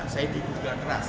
saya diduga keras